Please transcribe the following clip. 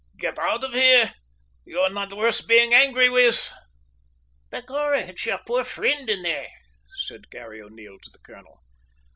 "Get out of here! you are not worth being angry with." "Begorrah, it's your poor fri'nd in there!" said Garry O'Neil to the colonel.